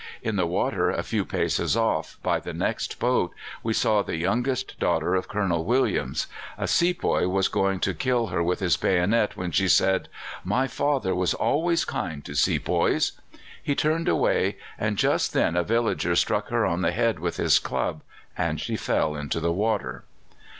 In the water, a few paces off, by the next boat, we saw the youngest daughter of Colonel Williams. A sepoy was going to kill her with his bayonet, when she said, 'My father was always kind to sepoys.' He turned away, and just then a villager struck her on the head with his club, and she fell into the water."